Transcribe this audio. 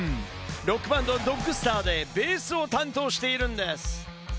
ロックバンド・Ｄｏｇｓｔａｒでベースを担当しているんです。